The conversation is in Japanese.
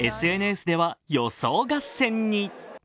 ＳＮＳでは予想合戦に。